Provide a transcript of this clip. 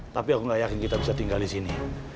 tapi aku gak yakin kita bisa tinggal disini